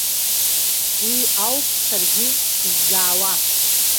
Уи ауп саргьы сыззаауа.